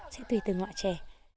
sẽ tùy từng loại chè